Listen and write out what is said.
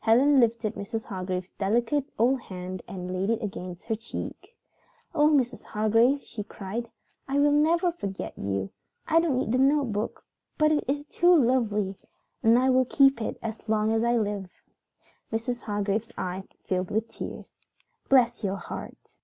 Helen lifted Mrs. Hargrave's delicate old hand and laid it against her cheek. "Oh, Mrs. Hargrave," she cried, "I will never forget you. I don't need the notebook, but it is too lovely, and I will keep it as long as I live." Mrs. Hargrave's eyes filled with tears. "Bless your heart!"